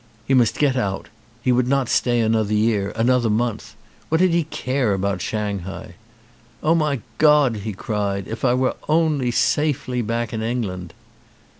He must get out. He would not stay an other year, another month. What did he care about Shanghai? "Oh, my God," he cried, "if I were only safely back in England."